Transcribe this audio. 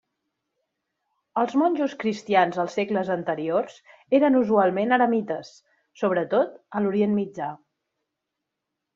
Els monjos cristians als segles anteriors eren usualment eremites, sobretot a l'Orient Mitjà.